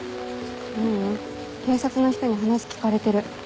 ううん警察の人に話聞かれてる。